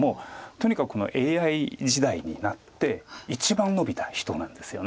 とにかくＡＩ時代になって一番伸びた人なんですよね。